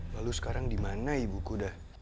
lalu sekarang di mana ibuku dah